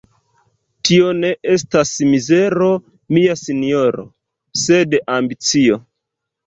Tio ne estas mizero, mia sinjoro, sed ambicio!